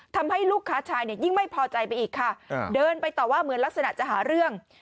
ทำให้ลูกค้าชายเนี่ยยิ่งไม่พอใจไปอีกค่ะเดินไปต่อว่าเหมือนลักษณะจะหาเรื่อง